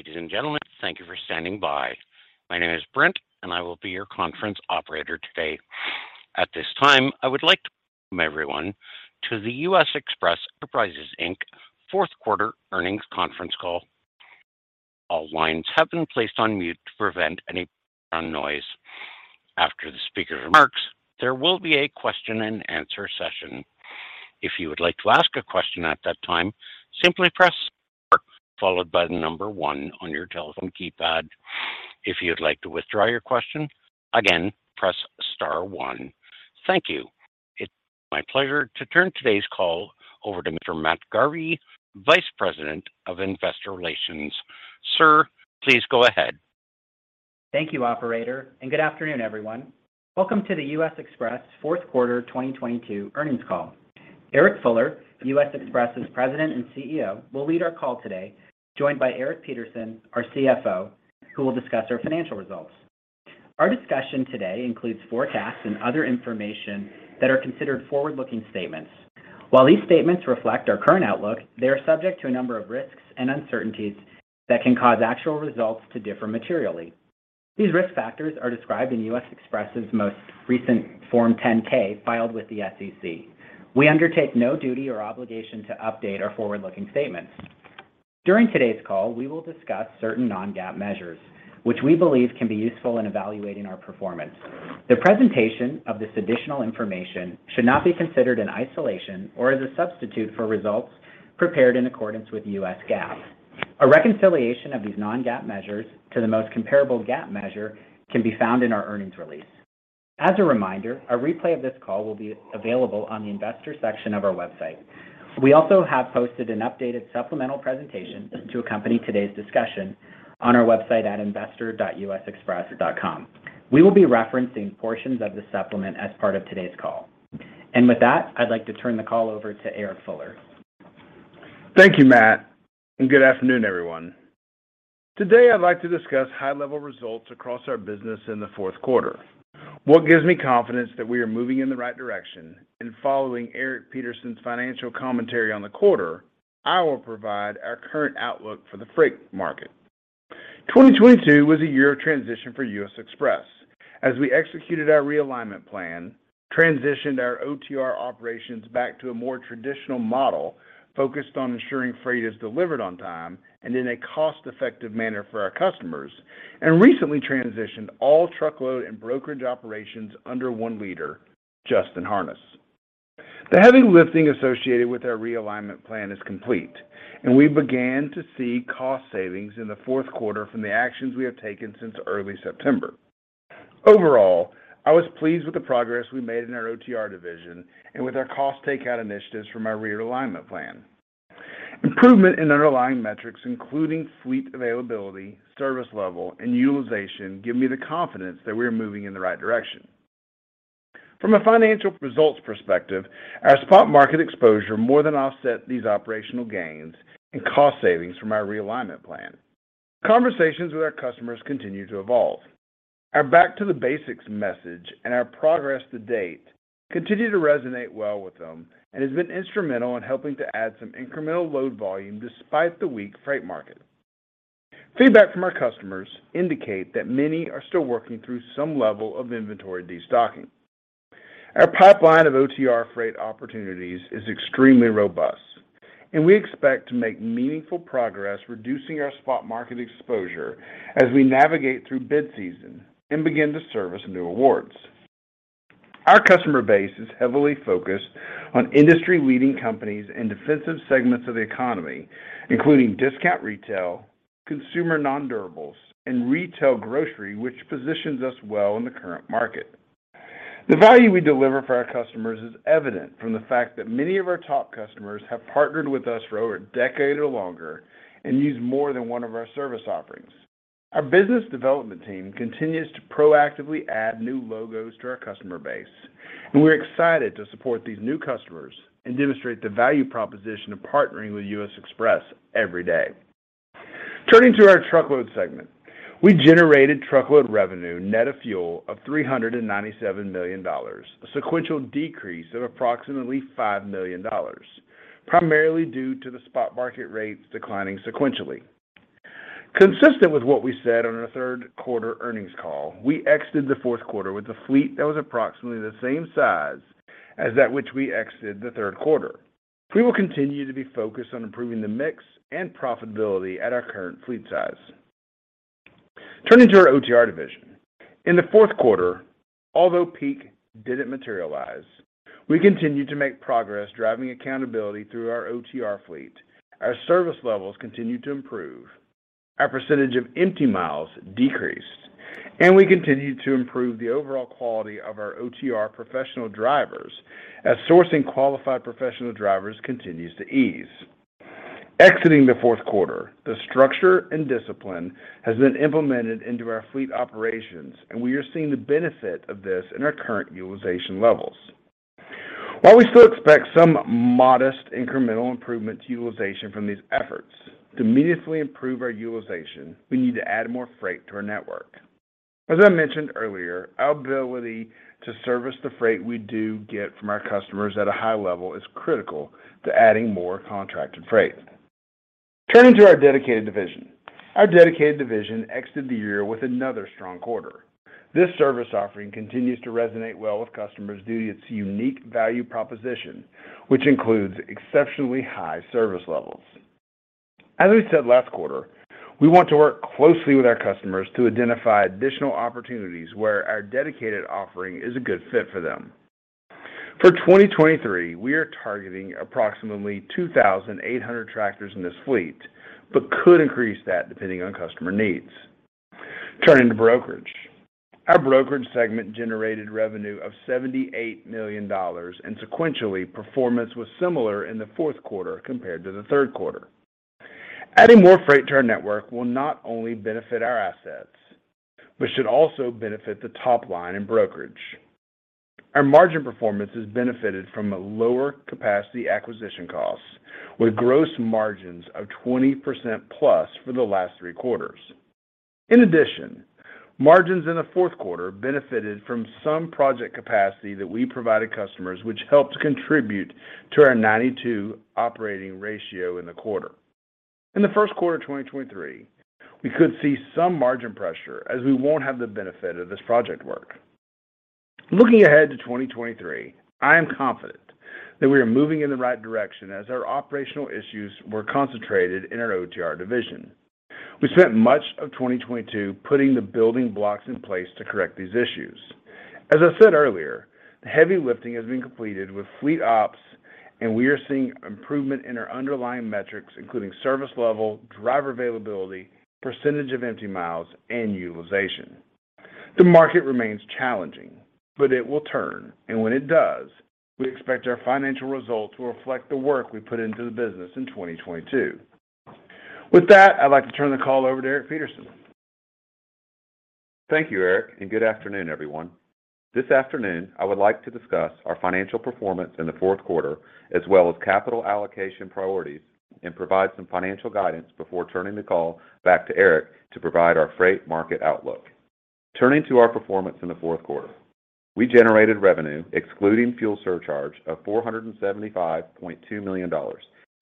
Ladies and gentlemen, thank you for standing by. My name is Brent, and I will be your conference operator today. At this time, I would like to welcome everyone to the U.S. Xpress Enterprises, Inc. fourth quarter Earnings Conference Call. All lines have been placed on mute to prevent any background noise. After the speaker remarks, there will be a question and answer session. If you would like to ask a question at that time, simply press Star followed by the number one on your telephone keypad. If you'd like to withdraw your question, again, press Star one. Thank you. It's my pleasure to turn today's call over to Mr. Matt Garvie, Vice President of Investor Relations. Sir, please go ahead. Thank you, operator. Good afternoon, everyone. Welcome to the U.S. Xpress fourth quarter 2022 earnings call. Eric Fuller, U.S. Xpress's President and CEO, will lead our call today, joined by Eric Peterson, our CFO, who will discuss our financial results. Our discussion today includes forecasts and other information that are considered forward-looking statements. While these statements reflect our current outlook, they are subject to a number of risks and uncertainties that can cause actual results to differ materially. These risk factors are described in U.S. Xpress's most recent Form 10-K filed with the SEC. We undertake no duty or obligation to update our forward-looking statements. During today's call, we will discuss certain Non-GAAP measures which we believe can be useful in evaluating our performance. The presentation of this additional information should not be considered in isolation or as a substitute for results prepared in accordance with U.S. GAAP. A reconciliation of these Non-GAAP measures to the most comparable GAAP measure can be found in our earnings release. As a reminder, a replay of this call will be available on the investor section of our website. We also have posted an updated supplemental presentation to accompany today's discussion on our website at investor.usxpress.com. We will be referencing portions of the supplement as part of today's call. With that, I'd like to turn the call over to Eric Fuller. Thank you, Matt, and good afternoon, everyone. Today, I'd like to discuss high-level results across our business in the fourth quarter. What gives me confidence that we are moving in the right direction and following Eric Peterson's financial commentary on the quarter, I will provide our current outlook for the freight market. 2022 was a year of transition for U.S. Xpress as we executed our realignment plan, transitioned our OTR operations back to a more traditional model focused on ensuring freight is delivered on time and in a cost-effective manner for our customers, and recently transitioned all truckload and brokerage operations under one leader, Justin Harness. The heavy lifting associated with our realignment plan is complete, and we began to see cost savings in the fourth quarter from the actions we have taken since early September. Overall, I was pleased with the progress we made in our OTR division and with our cost takeout initiatives from our realignment plan. Improvement in underlying metrics, including fleet availability, service level, and utilization, give me the confidence that we are moving in the right direction. From a financial results perspective, our spot market exposure more than offset these operational gains and cost savings from our realignment plan. Conversations with our customers continue to evolve. Our back to the basics message and our progress to date continue to resonate well with them and has been instrumental in helping to add some incremental load volume despite the weak freight market. Feedback from our customers indicate that many are still working through some level of inventory destocking. Our pipeline of OTR freight opportunities is extremely robust, and we expect to make meaningful progress reducing our spot market exposure as we navigate through bid season and begin to service new awards. Our customer base is heavily focused on industry-leading companies and defensive segments of the economy, including discount retail, consumer non-durables, and retail grocery, which positions us well in the current market. The value we deliver for our customers is evident from the fact that many of our top customers have partnered with us for over a decade or longer and use more than one of our service offerings. Our business development team continues to proactively add new logos to our customer base, and we're excited to support these new customers and demonstrate the value proposition of partnering with U.S. Xpress every day. Turning to our truckload segment. We generated truckload revenue net of fuel of $397 million, a sequential decrease of approximately $5 million, primarily due to the spot market rates declining sequentially. Consistent with what we said on our third quarter earnings call, we exited the fourth quarter with a fleet that was approximately the same size as that which we exited the third quarter. We will continue to be focused on improving the mix and profitability at our current fleet size. Turning to our OTR division. In the fourth quarter, although peak didn't materialize, we continued to make progress driving accountability through our OTR fleet. Our service levels continued to improve. Our percentage of empty miles decreased, and we continued to improve the overall quality of our OTR professional drivers as sourcing qualified professional drivers continues to ease. Exiting the fourth quarter, the structure and discipline has been implemented into our fleet operations, and we are seeing the benefit of this in our current utilization levels. While we still expect some modest incremental improvement to utilization from these efforts, to immediately improve our utilization, we need to add more freight to our network. As I mentioned earlier, our ability to service the freight we do get from our customers at a high level is critical to adding more contracted freight. Turning to our dedicated division. Our dedicated division exited the year with another strong quarter. This service offering continues to resonate well with customers due to its unique value proposition, which includes exceptionally high service levels. As we said last quarter, we want to work closely with our customers to identify additional opportunities where our dedicated offering is a good fit for them. For 2023, we are targeting approximately 2,800 tractors in this fleet, but could increase that depending on customer needs. Turning to brokerage. Our brokerage segment generated revenue of $78 million, and sequentially, performance was similar in the fourth quarter compared to the third quarter. Adding more freight to our network will not only benefit our assets, but should also benefit the top line in brokerage. Our margin performance has benefited from a lower capacity acquisition cost, with gross margins of 20%+ for the last three quarters. Margins in the fourth quarter benefited from some project capacity that we provided customers which helped contribute to our 92 operating ratio in the quarter. In the first quarter of 2023, we could see some margin pressure as we won't have the benefit of this project work. Looking ahead to 2023, I am confident that we are moving in the right direction as our operational issues were concentrated in our OTR division. We spent much of 2022 putting the building blocks in place to correct these issues. As I said earlier, the heavy lifting has been completed with fleet ops, and we are seeing improvement in our underlying metrics, including service level, driver availability, percentage of empty miles, and utilization. The market remains challenging, but it will turn, and when it does, we expect our financial results will reflect the work we put into the business in 2022. With that, I'd like to turn the call over to Eric Peterson. Thank you, Eric, and good afternoon, everyone. This afternoon, I would like to discuss our financial performance in the fourth quarter, as well as capital allocation priorities and provide some financial guidance before turning the call back to Eric to provide our freight market outlook. Turning to our performance in the fourth quarter. We generated revenue, excluding fuel surcharge, of $475.2 million,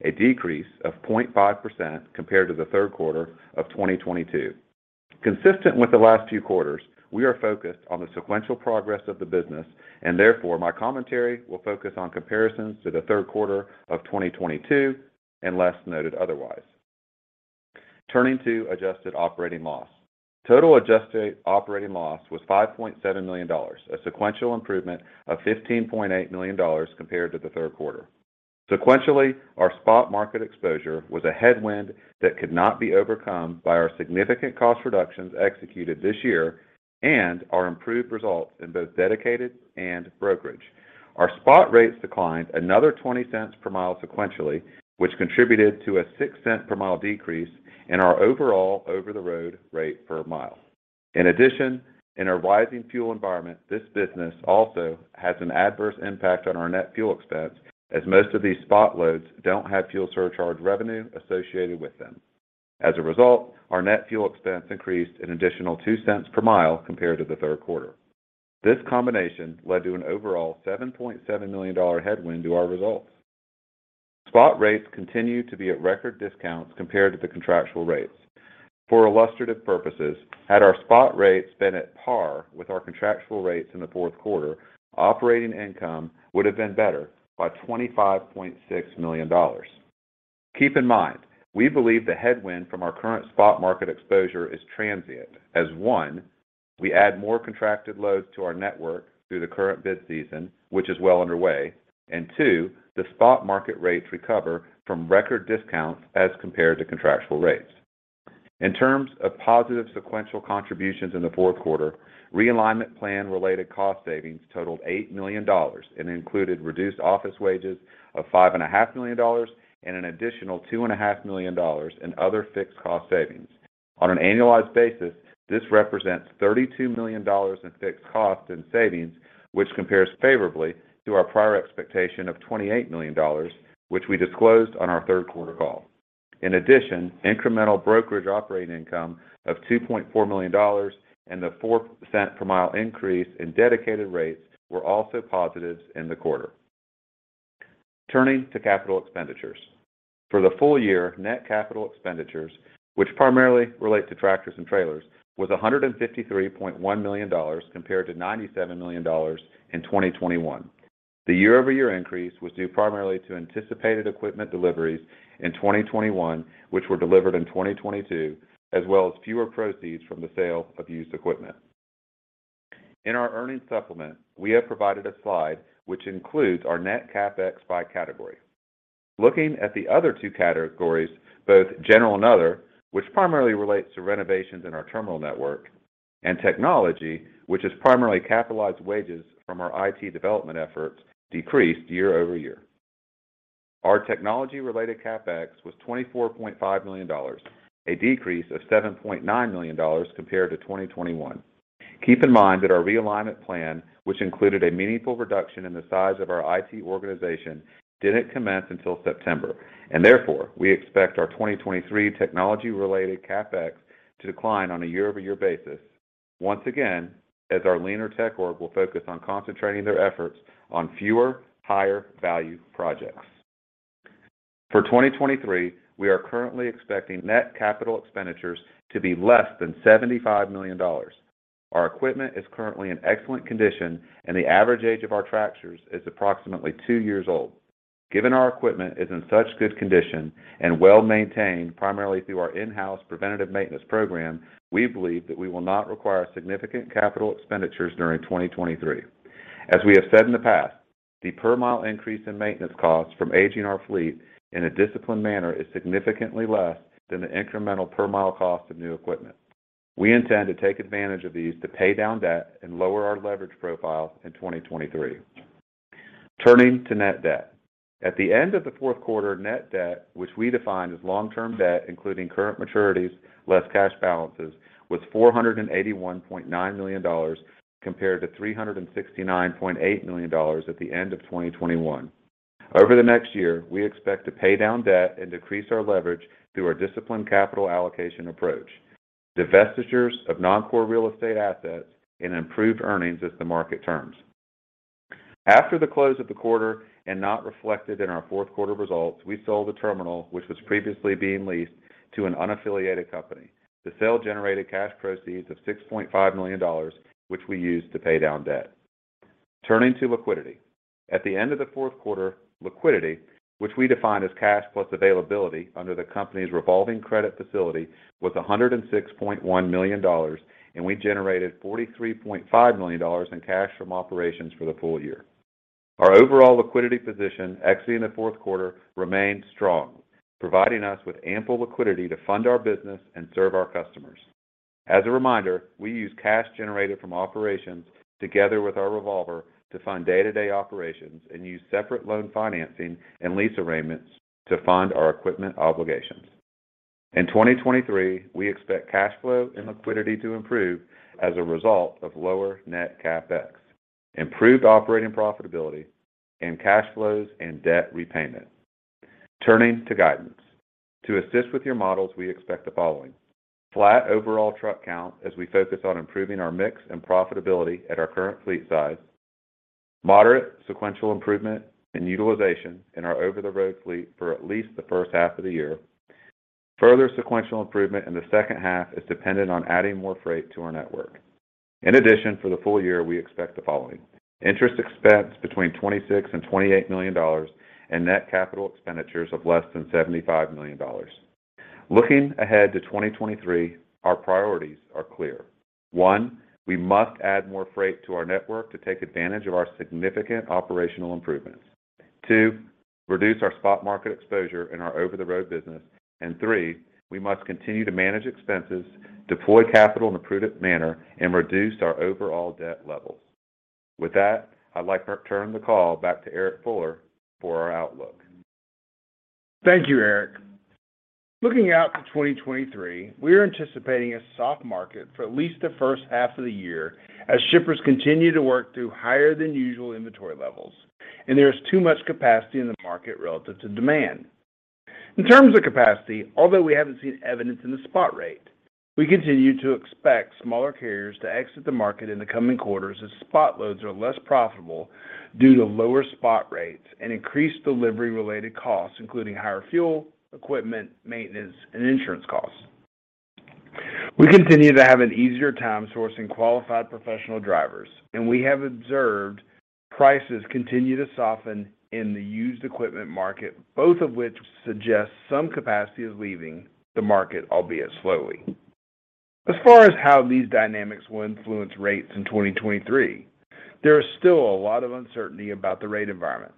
a decrease of 0.5% compared to the third quarter of 2022. Consistent with the last few quarters, we are focused on the sequential progress of the business, and therefore, my commentary will focus on comparisons to the third quarter of 2022 unless noted otherwise. Turning to adjusted operating loss. Total adjusted operating loss was $5.7 million, a sequential improvement of $15.8 million compared to the third quarter. Sequentially, our spot market exposure was a headwind that could not be overcome by our significant cost reductions executed this year and our improved results in both dedicated and brokerage. Our spot rates declined another $0.20 per mile sequentially, which contributed to a $0.06 per mile decrease in our overall over-the-road rate per mile. In our rising fuel environment, this business also has an adverse impact on our net fuel expense as most of these spot loads don't have fuel surcharge revenue associated with them. Our net fuel expense increased an additional $0.02 per mile compared to the third quarter. This combination led to an overall $7.7 million headwind to our results. Spot rates continue to be at record discounts compared to the contractual rates. For illustrative purposes, had our spot rates been at par with our contractual rates in the fourth quarter, operating income would have been better by $25.6 million. Keep in mind, we believe the headwind from our current spot market exposure is transient as, one, we add more contracted loads to our network through the current bid season, which is well underway, and two, the spot market rates recover from record discounts as compared to contractual rates. In terms of positive sequential contributions in the fourth quarter, realignment plan-related cost savings totaled $8 million and included reduced office wages of five and a half million dollars and an additional two and a half million dollars in other fixed cost savings. On an annualized basis, this represents $32 million in fixed cost and savings, which compares favorably to our prior expectation of $28 million, which we disclosed on our third quarter call. Incremental brokerage operating income of $2.4 million and the four cent per mile increase in dedicated rates were also positives in the quarter. Turning to capital expenditures. For the full year, net capital expenditures, which primarily relate to tractors and trailers, was $153.1 million compared to $97 million in 2021. The year-over-year increase was due primarily to anticipated equipment deliveries in 2021, which were delivered in 2022, as well as fewer proceeds from the sale of used equipment. In our earnings supplement, we have provided a slide which includes our net CapEx by category. Looking at the other two categories, both general and other, which primarily relates to renovations in our terminal network, and technology, which is primarily capitalized wages from our IT development efforts, decreased year-over-year. Our technology-related CapEx was $24.5 million, a decrease of $7.9 million compared to 2021. Keep in mind that our realignment plan, which included a meaningful reduction in the size of our IT organization, didn't commence until September, and therefore, we expect our 2023 technology-related CapEx to decline on a year-over-year basis. Once again, as our leaner tech org will focus on concentrating their efforts on fewer, higher value projects. For 2023, we are currently expecting net capital expenditures to be less than $75 million. Our equipment is currently in excellent condition, and the average age of our tractors is approximately two years old. Given our equipment is in such good condition and well-maintained primarily through our in-house preventative maintenance program, we believe that we will not require significant capital expenditures during 2023. As we have said in the past, the per mile increase in maintenance costs from aging our fleet in a disciplined manner is significantly less than the incremental per mile cost of new equipment. We intend to take advantage of these to pay down debt and lower our leverage profile in 2023. Turning to net debt. At the end of the fourth quarter, net debt, which we define as long-term debt, including current maturities, less cash balances, was $481.9 million compared to $369.8 million at the end of 2021. Over the next year, we expect to pay down debt and decrease our leverage through our disciplined capital allocation approach. Divestitures of non-core real estate assets and improved earnings as the market turns. After the close of the quarter and not reflected in our fourth quarter results, we sold a terminal which was previously being leased to an unaffiliated company. The sale generated cash proceeds of $6.5 million, which we used to pay down debt. Turning to liquidity. At the end of the fourth quarter, liquidity, which we define as cash plus availability under the company's revolving credit facility, was $106.1 million, and we generated $43.5 million in cash from operations for the full year. Our overall liquidity position exiting the fourth quarter remained strong, providing us with ample liquidity to fund our business and serve our customers. As a reminder, we use cash generated from operations together with our revolver to fund day-to-day operations and use separate loan financing and lease arrangements to fund our equipment obligations. In 2023, we expect cash flow and liquidity to improve as a result of lower net CapEx, improved operating profitability, and cash flows and debt repayment. Turning to guidance. To assist with your models, we expect the following. Flat overall truck count as we focus on improving our mix and profitability at our current fleet size. Moderate sequential improvement in utilization in our over-the-road fleet for at least the first half of the year. Further sequential improvement in the second half is dependent on adding more freight to our network. For the full year, we expect the following. Interest expense between $26 million and $28 million and net capital expenditures of less than $75 million. Looking ahead to 2023, our priorities are clear. One, we must add more freight to our network to take advantage of our significant operational improvements. two, reduce our spot market exposure in our over-the-road business. three, we must continue to manage expenses, deploy capital in a prudent manner, and reduce our overall debt levels. With that, I'd like to return the call back to Eric Fuller for our outlook. Thank you, Eric. Looking out to 2023, we are anticipating a soft market for at least the first half of the year as shippers continue to work through higher than usual inventory levels, and there is too much capacity in the market relative to demand. In terms of capacity, although we haven't seen evidence in the spot rate, we continue to expect smaller carriers to exit the market in the coming quarters as spot loads are less profitable due to lower spot rates and increased delivery-related costs, including higher fuel, equipment, maintenance, and insurance costs. We continue to have an easier time sourcing qualified professional drivers, and we have observed prices continue to soften in the used equipment market, both of which suggest some capacity is leaving the market, albeit slowly. As far as how these dynamics will influence rates in 2023, there is still a lot of uncertainty about the rate environment.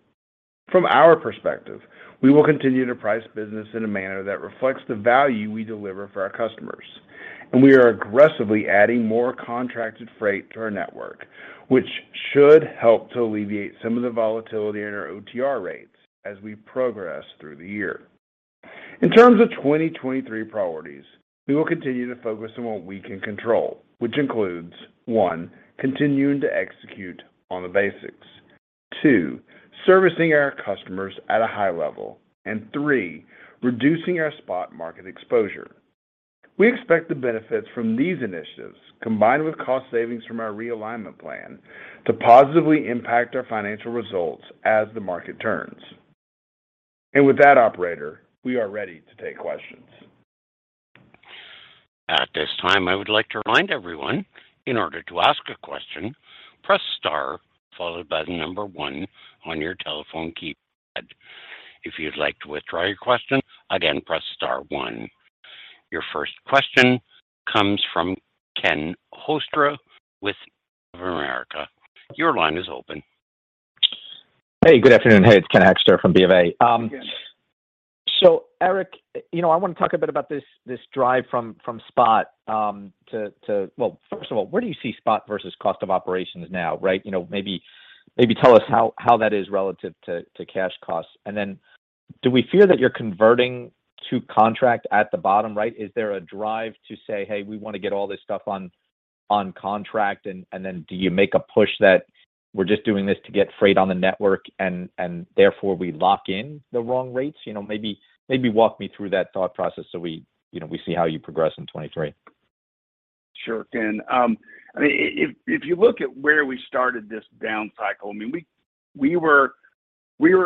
From our perspective, we will continue to price business in a manner that reflects the value we deliver for our customers. We are aggressively adding more contracted freight to our network, which should help to alleviate some of the volatility in our OTR rates as we progress through the year. In terms of 2023 priorities, we will continue to focus on what we can control, which includes, one, continuing to execute on the basics. Two, servicing our customers at a high level. Three, reducing our spot market exposure. We expect the benefits from these initiatives, combined with cost savings from our realignment plan, to positively impact our financial results as the market turns. With that, operator, we are ready to take questions. At this time, I would like to remind everyone in order to ask a question, press star followed by the number one on your telephone keypad. If you'd like to withdraw your question, again, press star one. Your first question comes from Ken Hoexter with America. Your line is open. Hey, good afternoon. Hey, it's Ken Hoexter from BofA. Hey, Ken. Eric, you know, I want to talk a bit about this drive from spot. First of all, where do you see spot versus cost of operations now, right? You know, maybe tell us how that is relative to cash costs. Then do we fear that you're converting to contract at the bottom right? Is there a drive to say, "Hey, we want to get all this stuff on contract," and then do you make a push that we're just doing this to get freight on the network and therefore we lock in the wrong rates? You know, maybe walk me through that thought process so we, you know, we see how you progress in 2023. Sure can. If you look at where we started this down cycle, we were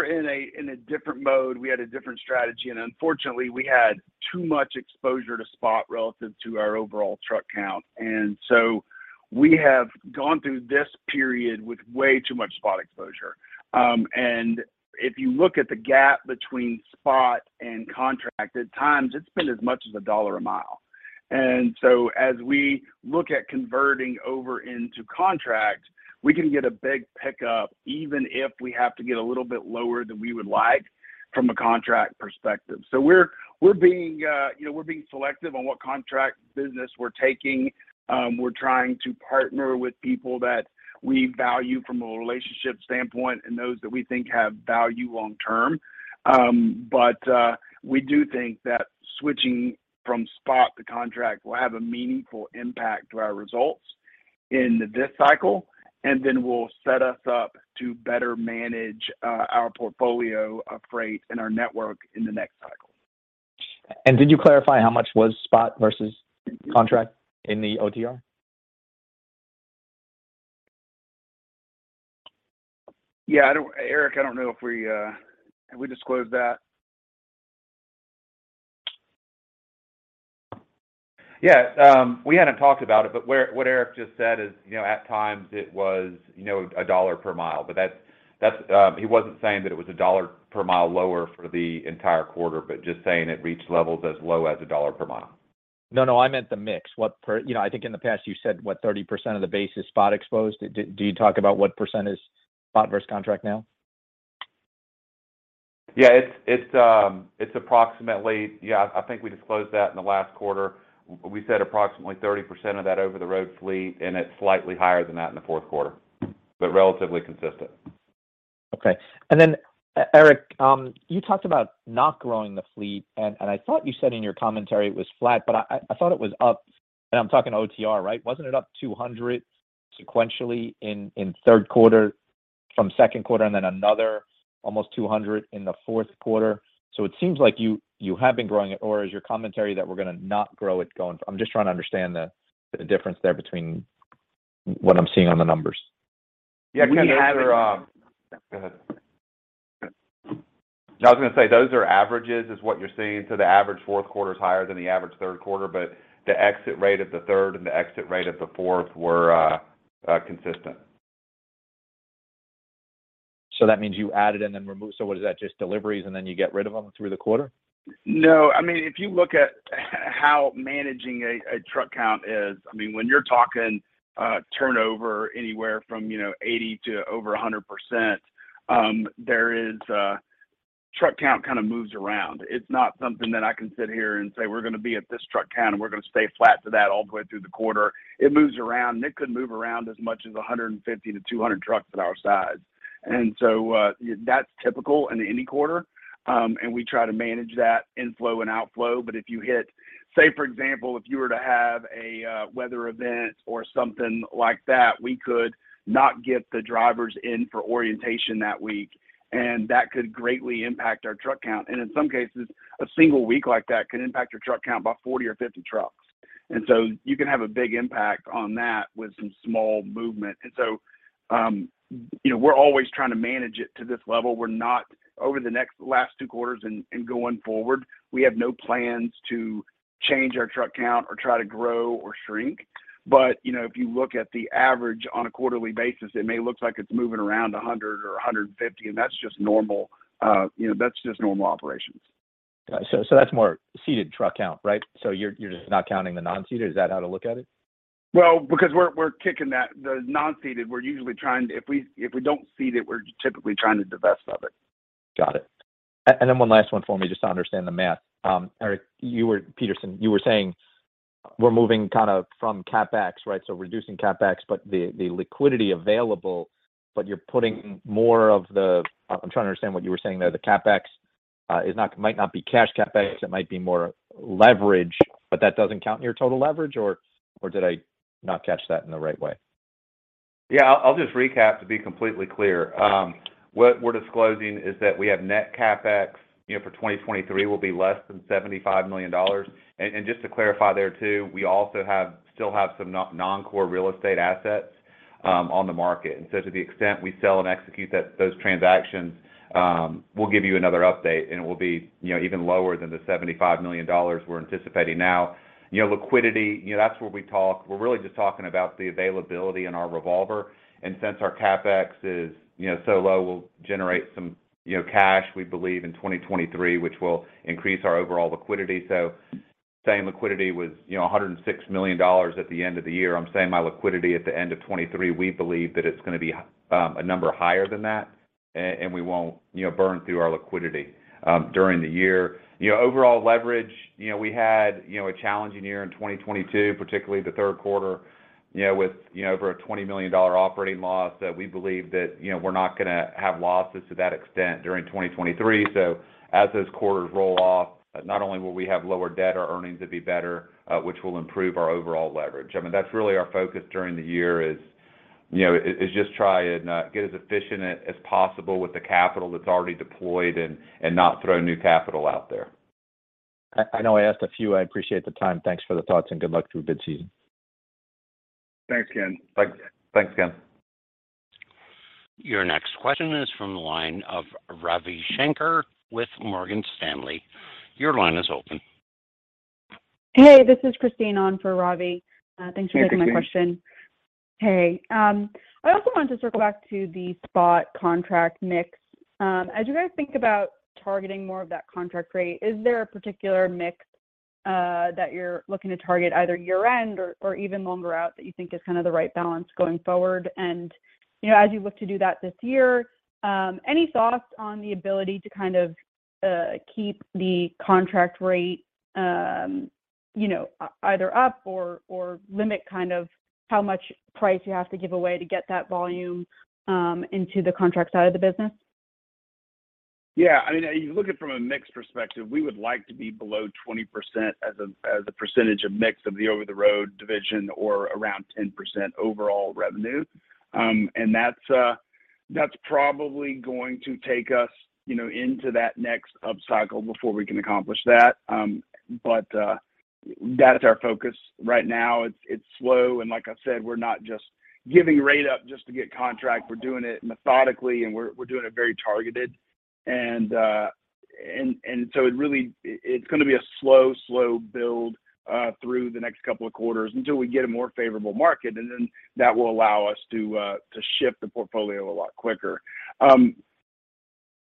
in a different mode. We had a different strategy, and unfortunately, we had too much exposure to spot relative to our overall truck count. We have gone through this period with way too much spot exposure. If you look at the gap between spot and contract, at times it's been as much as $1 a mile. As we look at converting over into contract, we can get a big pickup, even if we have to get a little bit lower than we would like from a contract perspective. We're, we're being, you know, we're being selective on what contract business we're taking. We're trying to partner with people that we value from a relationship standpoint and those that we think have value long-term. We do think that switching from spot to contract will have a meaningful impact to our results in this cycle, and then will set us up to better manage our portfolio of freight and our network in the next cycle. Could you clarify how much was spot versus contract in the OTR? Yeah. Eric, I don't know if we have we disclosed that? Yeah. We hadn't talked about it, but what Eric just said is, you know, at times it was, you know, $1 per mile. That's. He wasn't saying that it was $1 per mile lower for the entire quarter, but just saying it reached levels as low as $1 per mile. No, no, I meant the mix. You know, I think in the past you said, what, 30% of the base is spot exposed. Did you talk about what percent is spot versus contract now? Yeah. It's approximately. Yeah, I think we disclosed that in the last quarter. We said approximately 30% of that over-the-road fleet, and it's slightly higher than that in the fourth quarter, but relatively consistent. Okay. Then Eric, you talked about not growing the fleet, I thought you said in your commentary it was flat, but I thought it was up. I'm talking OTR, right? Wasn't it up 200 sequentially in third quarter from second quarter and then another almost 200 in the fourth quarter? It seems like you have been growing it, or is your commentary that we're gonna not grow it going? I'm just trying to understand the difference there between what I'm seeing on the numbers. Yeah. I mean, those are... We have- Go ahead. No, I was gonna say those are averages is what you're seeing. The average fourth quarter is higher than the average third quarter, but the exit rate of the third and the exit rate of the fourth were consistent. That means you added and then removed. What is that, just deliveries and then you get rid of them through the quarter? No. I mean, if you look at how managing a truck count is, I mean, when you're talking, turnover anywhere from, you know, 80 to over 100%. Truck count kind of moves around. It's not something that I can sit here and say, "We're gonna be at this truck count and we're gonna stay flat to that all the way through the quarter." It moves around, and it could move around as much as 150-200 trucks at our size. That's typical in any quarter. And we try to manage that inflow and outflow. If you hit... Say, for example, if you were to have a weather event or something like that, we could not get the drivers in for orientation that week. That could greatly impact our truck count. In some cases, a single week like that could impact your truck count by 40 or 50 trucks. You can have a big impact on that with some small movement. You know, we're always trying to manage it to this level. Last two quarters and going forward, we have no plans to change our truck count or try to grow or shrink. You know, if you look at the average on a quarterly basis, it may look like it's moving around 100 or 150. That's just normal. You know, that's just normal operations. Got it. That's more seated truck count, right? You're just not counting the non-seated. Is that how to look at it? Well, because we're kicking that. The non-seated, we're usually trying. If we don't seat it, we're typically trying to divest of it. Got it. Then one last one for me just to understand the math. Eric Peterson, you were saying we're moving kind of from CapEx, right? Reducing CapEx, but the liquidity available. I'm trying to understand what you were saying there. The CapEx might not be cash CapEx, it might be more leverage, but that doesn't count in your total leverage or did I not catch that in the right way? I'll just recap to be completely clear. What we're disclosing is that we have net CapEx, you know, for 2023 will be less than $75 million. Just to clarify there too, we also still have some non-core real estate assets on the market. To the extent we sell and execute those transactions, we'll give you another update, and it will be, you know, even lower than the $75 million we're anticipating now. You know, liquidity, you know, that's where we're really just talking about the availability in our revolver. Since our CapEx is, you know, so low, we'll generate some, you know, cash, we believe, in 2023, which will increase our overall liquidity. Saying liquidity was, you know, $106 million at the end of the year, I'm saying my liquidity at the end of 2023, we believe that it's gonna be a number higher than that and we won't, you know, burn through our liquidity during the year. You know, overall leverage, you know, we had, you know, a challenging year in 2022, particularly the third quarter, you know, with, you know, over a $20 million operating loss that we believe that, you know, we're not gonna have losses to that extent during 2023. As those quarters roll off, not only will we have lower debt, our earnings would be better, which will improve our overall leverage. I mean, that's really our focus during the year is. You know, it's just try and get as efficient as possible with the capital that's already deployed and not throw new capital out there. I know I asked a few. I appreciate the time. Thanks for the thoughts and good luck through a good season. Thanks, Ken. Thanks. Thanks, Ken. Your next question is from the line of Ravi Shankar with Morgan Stanley. Your line is open. Hey, this is Christyne on for Ravi. Thanks for taking my question. Hey, Christyne. Hey. I also wanted to circle back to the spot contract mix. As you guys think about targeting more of that contract rate, is there a particular mix that you're looking to target either year-end or even longer out that you think is kind of the right balance going forward? You know, as you look to do that this year, any thoughts on the ability to kind of keep the contract rate, you know, either up or limit kind of how much price you have to give away to get that volume into the contract side of the business? Yeah. I mean, you look it from a mix perspective, we would like to be below 20% as a, as a percentage of mix of the over-the-road division or around 10% overall revenue. That's probably going to take us, you know, into that next upcycle before we can accomplish that. That's our focus right now. It's, it's slow, and like I said, we're not just giving rate up just to get contract. We're doing it methodically, and we're doing it very targeted. It really... it's gonna be a slow build through the next couple of quarters until we get a more favorable market, and then that will allow us to ship the portfolio a lot quicker.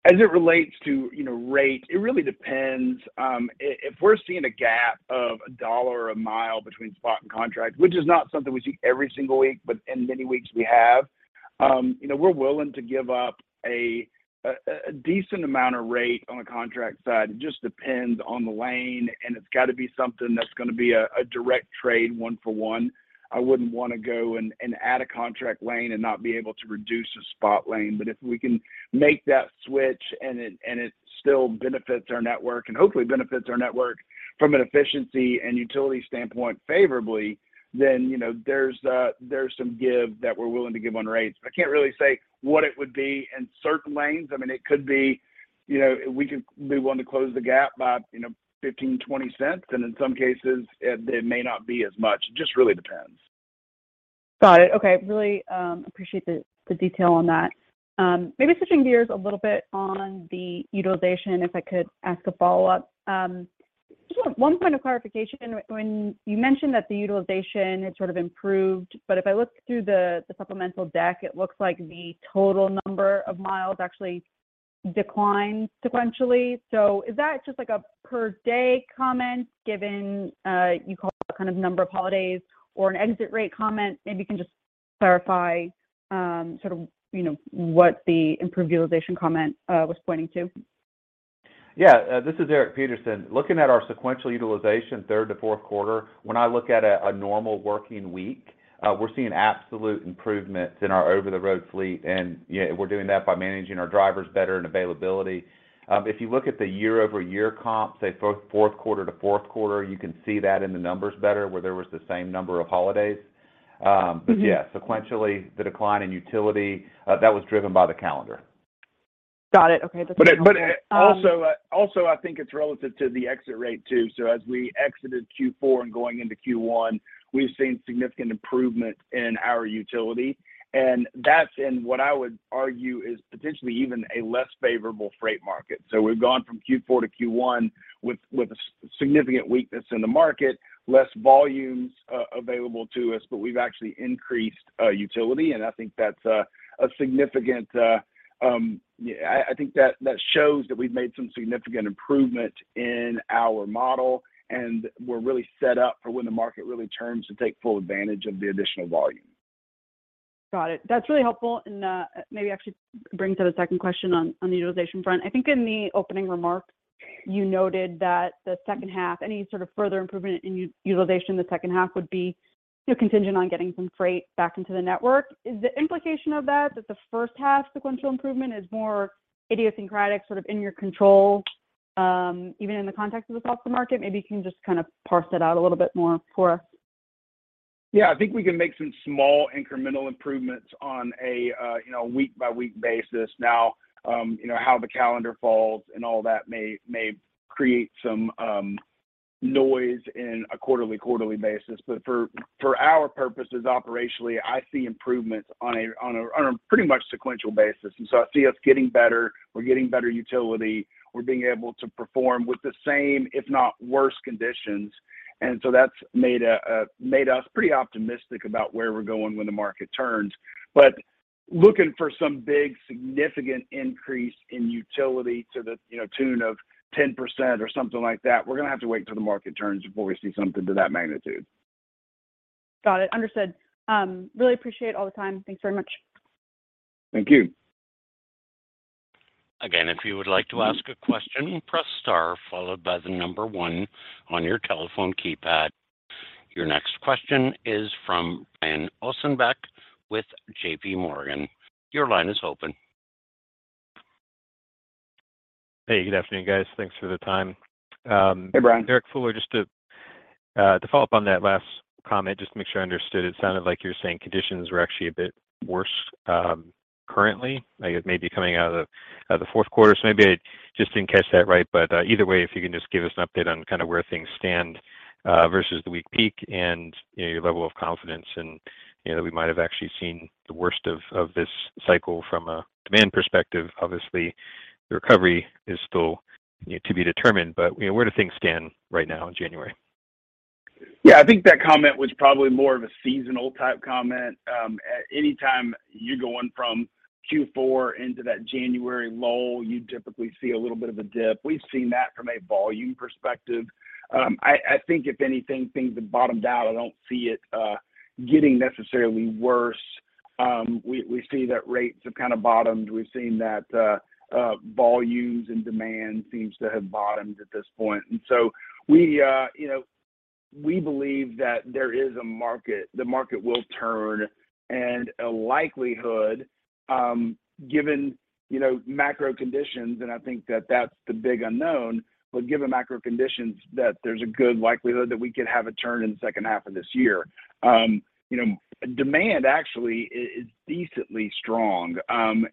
As it relates to, you know, rate, it really depends. If we're seeing a gap of $1 a mile between spot and contract, which is not something we see every single week, but in many weeks we have, you know, we're willing to give up a decent amount of rate on the contract side. It just depends on the lane, and it's got to be something that's gonna be a direct trade one for one. I wouldn't wanna go and add a contract lane and not be able to reduce a spot lane. If we can make that switch and it still benefits our network and hopefully benefits our network from an efficiency and utility standpoint favorably, then, you know, there's some give that we're willing to give on rates. I can't really say what it would be in certain lanes. I mean, it could be, you know, we could be willing to close the gap by, you know, $0.15, $0.20. In some cases, it may not be as much. It just really depends. Got it. Okay. Really, appreciate the detail on that. Maybe switching gears a little bit on the utilization, if I could ask a follow-up. Just one point of clarification. When you mentioned that the utilization had sort of improved, but if I look through the supplemental deck, it looks like the total number of miles actually declined sequentially. Is that just like a per day comment given, you call it kind of number of holidays or an exit rate comment? Maybe you can just clarify, sort of, you know, what the improved utilization comment was pointing to. Yeah. This is Eric Peterson. Looking at our sequential utilization third to fourth quarter, when I look at a normal working week, we're seeing absolute improvements in our over-the-road fleet. Yeah, we're doing that by managing our drivers better and availability. If you look at the year-over-year comp, say for fourth quarter to fourth quarter, you can see that in the numbers better, where there was the same number of holidays. Yeah. Mm-hmm sequentially, the decline in utility, that was driven by the calendar. Got it. Okay. That's. It. Um- I think it's relative to the exit rate too. As we exited Q4 and going into Q1, we've seen significant improvement in our utility, and that's in what I would argue is potentially even a less favorable freight market. We've gone from Q4-Q1 with a significant weakness in the market, less volumes available to us, but we've actually increased utility, and I think that's a significant. I think that shows that we've made some significant improvement in our model, and we're really set up for when the market really turns to take full advantage of the additional volume. Got it. That's really helpful and maybe actually brings to the second question on the utilization front. I think in the opening remarks you noted that the second half, any sort of further improvement in utilization in the second half would be, you know, contingent on getting some freight back into the network. Is the implication of that the first half sequential improvement is more idiosyncratic, sort of in your control, even in the context of the softer market? Maybe you can just kind of parse that out a little bit more for us. Yeah. I think we can make some small incremental improvements on a, you know, week-by-week basis. How the calendar falls and all that may create some noise in a quarterly basis. For our purposes operationally, I see improvements on a pretty much sequential basis. I see us getting better. We're getting better utility. We're being able to perform with the same, if not worse conditions. That's made us pretty optimistic about where we're going when the market turns. Looking for some big significant increase in utility to the, you know, tune of 10% or something like that, we're gonna have to wait till the market turns before we see something to that magnitude. Got it. Understood. Really appreciate all the time. Thanks very much. Thank you. Again, if you would like to ask a question, press star followed by the number one on your telephone keypad. Your next question is from Brian Ossenbeck with J.P. Morgan. Your line is open. Hey, good afternoon, guys. Thanks for the time. Hey, Brian. Eric Fuller. Just to follow up on that last comment, just to make sure I understood it, sounded like you were saying conditions were actually a bit worse, currently, like maybe coming out of the fourth quarter. Maybe I just didn't catch that right, but, either way, if you can just give us an update on kinda where things stand versus the week peak and, you know, your level of confidence and, you know, that we might have actually seen the worst of this cycle from a demand perspective. Obviously, the recovery is still yet to be determined, but, you know, where do things stand right now in January? Yeah. I think that comment was probably more of a seasonal type comment. At any time you're going from Q4 into that January lull, you typically see a little bit of a dip. We've seen that from a volume perspective. I think if anything, things have bottomed out. I don't see it getting necessarily worse. We see that rates have kinda bottomed. We've seen that volumes and demand seems to have bottomed at this point. We, you know, we believe that there is a market, the market will turn, and a likelihood, given, you know, macro conditions, and I think that that's the big unknown, but given macro conditions that there's a good likelihood that we could have a turn in the second half of this year. You know, demand actually is decently strong, and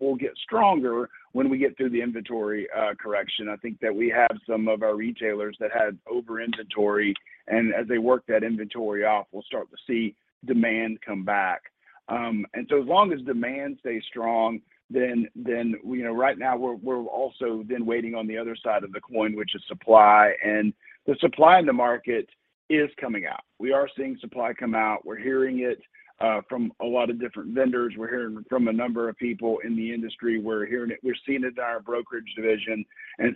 will get stronger when we get through the inventory correction. I think that we have some of our retailers that had over-inventory, and as they work that inventory off, we'll start to see demand come back. As long as demand stays strong, then, you know, right now we're also then waiting on the other side of the coin, which is supply. The supply in the market is coming out. We are seeing supply come out. We're hearing it from a lot of different vendors. We're hearing from a number of people in the industry. We're hearing it. We're seeing it in our brokerage division,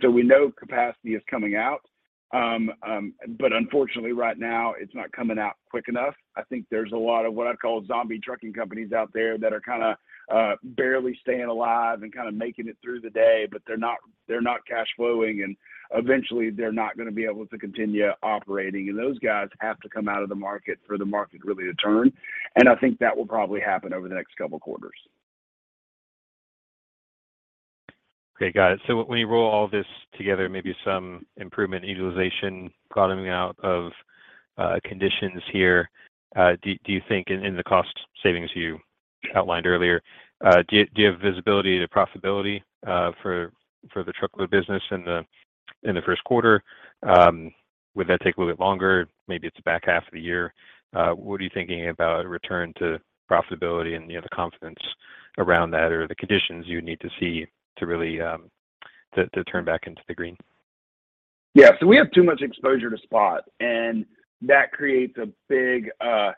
we know capacity is coming out. Unfortunately, right now, it's not coming out quick enough. I think there's a lot of what I'd call zombie trucking companies out there that are kinda, barely staying alive and kinda making it through the day, but they're not, they're not cash flowing, and eventually, they're not gonna be able to continue operating. Those guys have to come out of the market for the market really to turn. I think that will probably happen over the next couple quarters. Okay. Got it. When you roll all this together, maybe some improvement in utilization bottoming out of conditions here, do you think in the cost savings you outlined earlier, do you have visibility to profitability for the truckload business in the first quarter? Would that take a little bit longer? Maybe it's back half of the year. What are you thinking about return to profitability and, you know, the confidence around that or the conditions you need to see to really, to turn back into the green? Yeah. We have too much exposure to spot, and that creates a big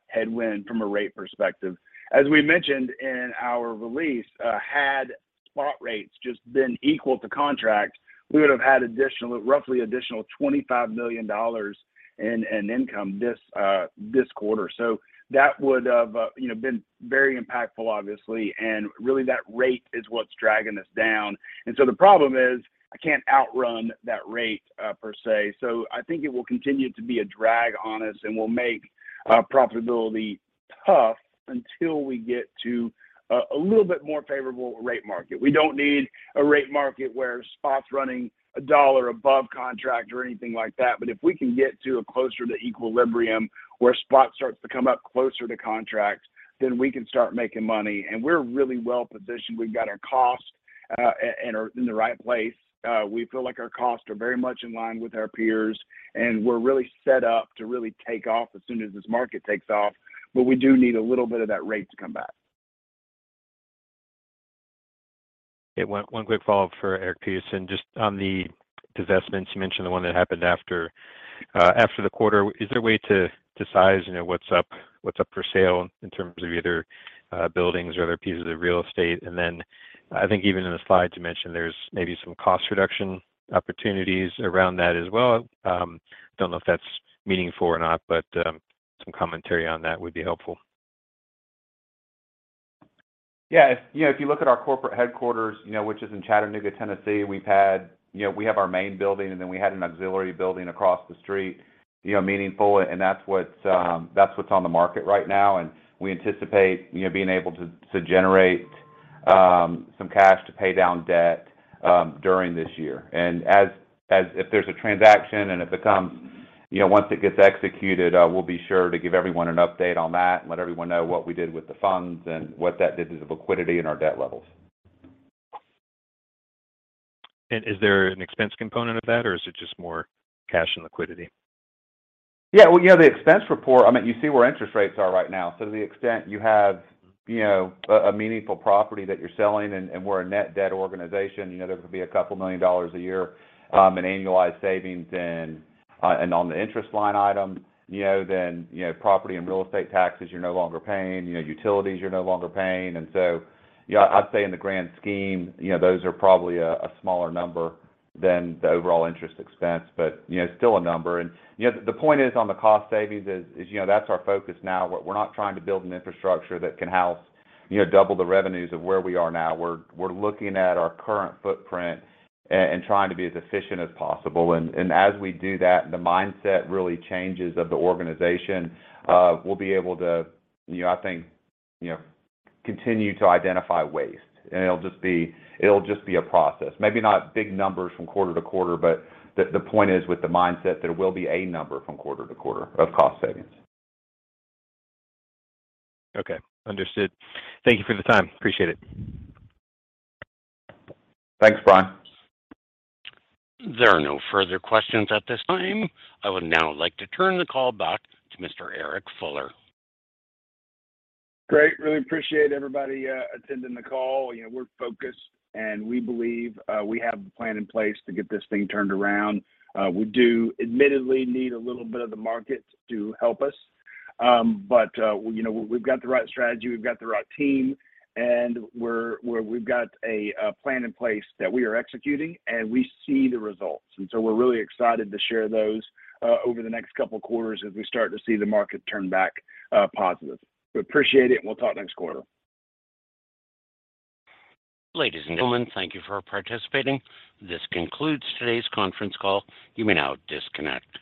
headwind from a rate perspective. As we mentioned in our release, had spot rates just been equal to contract, we would have had roughly additional $25 million in income this quarter. That would have, you know, been very impactful, obviously. Really that rate is what's dragging us down. The problem is I can't outrun that rate per se. I think it will continue to be a drag on us and will make profitability tough until we get to a little bit more favorable rate market. We don't need a rate market where spot's running $1 above contract or anything like that. If we can get to a closer to equilibrium where spot starts to come up closer to contract, then we can start making money. We're really well-positioned. We've got our cost in the right place. We feel like our costs are very much in line with our peers, and we're really set up to really take off as soon as this market takes off. We do need a little bit of that rate to come back. One quick follow-up for Eric Peterson. Just on the divestments, you mentioned the one that happened after the quarter. Is there a way to size, you know, what's up for sale in terms of either buildings or other pieces of real estate? I think even in the slides, you mentioned there's maybe some cost reduction opportunities around that as well. Don't know if that's meaningful or not, but some commentary on that would be helpful. Yeah. If, you know, if you look at our corporate headquarters, you know, which is in Chattanooga, Tennessee, we've had, you know, we have our main building, and then we had an auxiliary building across the street, you know, meaningful, and that's what's, that's what's on the market right now. We anticipate, you know, being able to generate some cash to pay down debt during this year. As if there's a transaction and if it comes, you know, once it gets executed, we'll be sure to give everyone an update on that and let everyone know what we did with the funds and what that did to the liquidity and our debt levels. Is there an expense component of that or is it just more cash and liquidity? Yeah. Well, you know, the expense report. I mean, you see where interest rates are right now. To the extent you have, you know, a meaningful property that you're selling and we're a net debt organization, you know, there could be a couple million dollars a year in annualized savings and on the interest line item, you know, then, you know, property and real estate taxes you're no longer paying, you know, utilities you're no longer paying. You know, I'd say in the grand scheme, you know, those are probably a smaller number than the overall interest expense, but, you know, it's still a number. You know, the point is on the cost savings is, you know, that's our focus now. We're not trying to build an infrastructure that can house, you know, double the revenues of where we are now. We're looking at our current footprint and trying to be as efficient as possible. As we do that, the mindset really changes of the organization. We'll be able to, you know, I think, you know, continue to identify waste, and it'll just be a process. Maybe not big numbers from quarter to quarter, but the point is with the mindset, there will be a number from quarter to quarter of cost savings. Okay. Understood. Thank you for the time. Appreciate it. Thanks, Brian. There are no further questions at this time. I would now like to turn the call back to Mr. Eric Fuller. Great. Really appreciate everybody attending the call. You know, we're focused, and we believe we have a plan in place to get this thing turned around. We do admittedly need a little bit of the market to help us. You know, we've got the right strategy, we've got the right team, and we're we've got a plan in place that we are executing, and we see the results. We're really excited to share those over the next couple quarters as we start to see the market turn back positive. We appreciate it, and we'll talk next quarter. Ladies and gentlemen, thank you for participating. This concludes today's conference call. You may now disconnect.